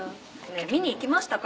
見に行きましたか？